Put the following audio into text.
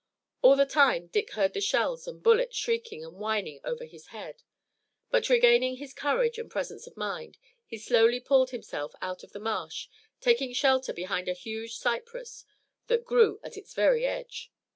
All the time Dick heard the shells and bullets shrieking and whining over his head. But, regaining his courage and presence of mind, he slowly pulled himself out of the marsh, taking shelter behind a huge cypress that grew at its very edge.